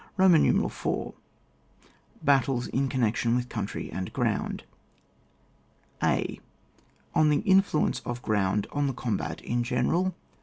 IV.— BATTLES IN CONNECTION WITH COUNTRY AND GKOUND. A. — On the Inelttence of Ground on THE Combat in general.